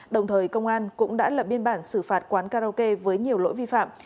đồng thời công an cũng đã lập biên bản xử phạt quán karaoke với nhiều lỗi vi phạm